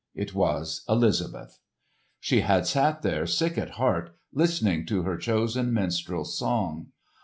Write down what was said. It was Elizabeth. She had sat there sick at heart listening to her chosen minstrel's song.